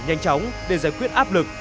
nhanh chóng để giải quyết áp lực